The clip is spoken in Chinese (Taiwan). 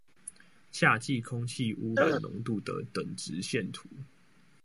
夏季空氣污染濃度的等值線圖